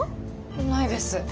ないです。